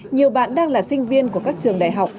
nhiều bạn đang là sinh viên của các trường đại học